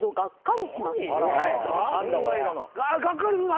がっかりするの？